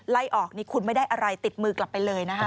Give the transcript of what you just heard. ไล่ออกนี่คุณไม่ได้อะไรติดมือกลับไปเลยนะคะ